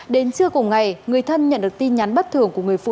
đến trưa cùng ngày người thân nhận được tin nhắn bất thường của người phụ nữ